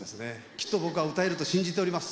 きっと僕は歌えると信じております。